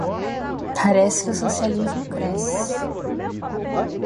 Parece que o socialismo cresce...